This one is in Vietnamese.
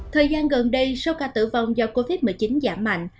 thời gian gần đây số ca tử vong do covid một mươi chín giảm mạnh